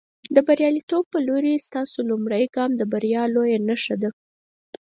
د برياليتوب په لورې، ستاسو لومړنی ګام د بریا لویه نښه ده.